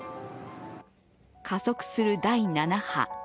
加速する第７波。